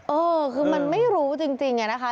เออคือมันไม่รู้จริงอะนะคะ